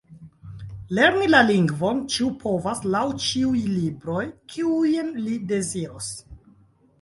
Lerni la lingvon ĉiu povas laŭ ĉiuj libroj, kiujn li deziros.